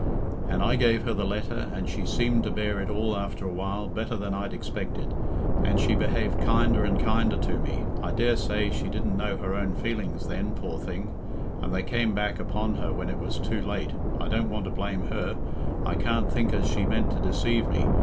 And I gave her the letter, and she seemed to bear it all after a while better than I'd expected... and she behaved kinder and kinder to me... I daresay she didn't know her own feelings then, poor thing, and they came back upon her when it was too late... I don't want to blame her... I can't think as she meant to deceive me.